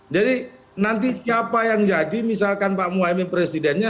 jadi nanti siapa yang jadi misalkan pak muhaimin presidennya